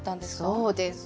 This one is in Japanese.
そうです。